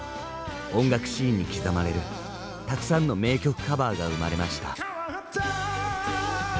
音楽シーンに刻まれるたくさんの名曲カバーが生まれました。